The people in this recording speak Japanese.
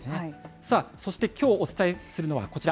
そしてきょうお伝えするのはこちら。